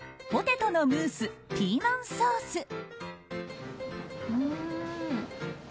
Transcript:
ポテトのムースピーマンソース。